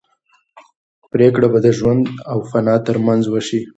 پرېکړه به د ژوند او فنا تر منځ وشي.